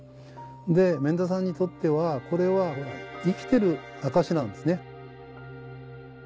で免田さんにとってはこれは生きてる証しなんですね。